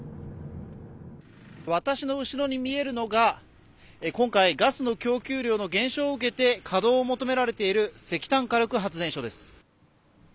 私の後ろに見えるのが今回ガスの供給量の減少を受けて稼働を求められている石炭火力発電所です。